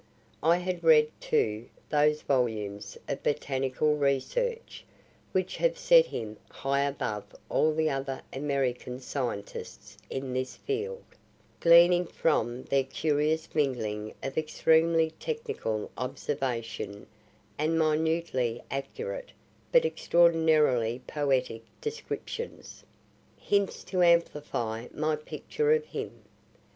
I had read, too, those volumes of botanical research which have set him high above all other American scientists in this field, gleaning from their curious mingling of extremely technical observations and minutely accurate but extraordinarily poetic descriptions, hints to amplify my picture of him.